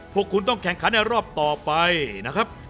พวกคุณต้องแข่งขันในรอบต่อไปนะครับ